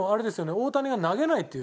大谷が投げないっていう。